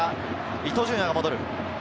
伊東純也が戻る。